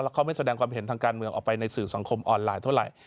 เขาไม่แสดงความเห็นทางการเมืองออกไปในสื่อสังคมออนไลน์เท่าไหร่